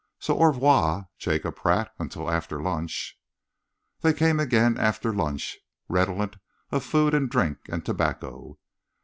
So au revoir, Jacob Pratt, until after lunch." They came again after lunch, redolent of food and drink and tobacco.